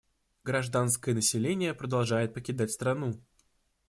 Гражданское население продолжает покидать страну.